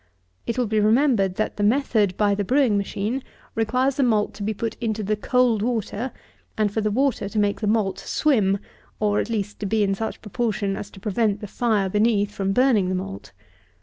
It will be remembered that the method by the brewing machine requires the malt to be put into the cold water, and for the water to make the malt swim, or, at least, to be in such proportion as to prevent the fire beneath from burning the malt.